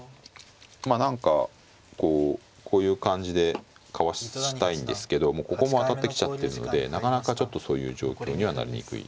まあ何かこうこういう感じでかわしたいんですけどここも当たってきちゃってるのでなかなかちょっとそういう状況にはなりにくい。